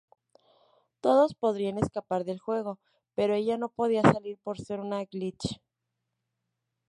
Todos podrán escapar del juego, pero ella no podrá salir por ser una "glitch".